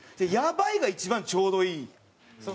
「やばい」が一番ちょうどいい。